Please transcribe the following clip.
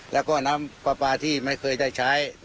แล้วก็น้ำปลาปลาที่ไม่เคยได้ใช้